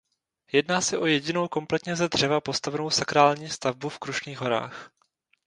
Jedná se o jedinou kompletně ze dřeva postavenou sakrální stavbu v Krušných horách.